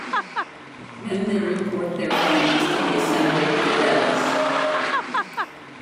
Then they report their findings to the assembly of the devas.